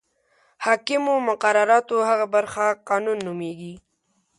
حاکمو مقرراتو هغه برخه قانون نومیږي.